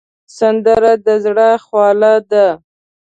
سندره د زړه خواله ده